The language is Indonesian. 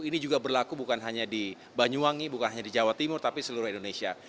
ini juga berlaku bukan hanya di banyuwangi bukan hanya di jawa timur tapi seluruh indonesia